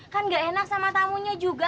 kan gak enak sama tamunya juga